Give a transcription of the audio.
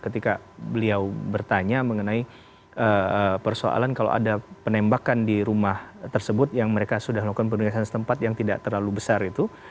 ketika beliau bertanya mengenai persoalan kalau ada penembakan di rumah tersebut yang mereka sudah melakukan penelitian setempat yang tidak terlalu besar itu